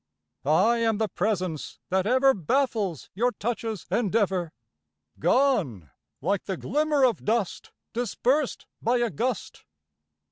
I am the presence that ever Baffles your touch's endeavor, Gone like the glimmer of dust Dispersed by a gust.